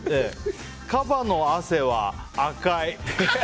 カバの汗は赤い。